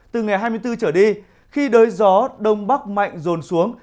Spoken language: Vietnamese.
từ ngày hai mươi bốn trở đi khi đới gió đông bắc mạnh rồn xuống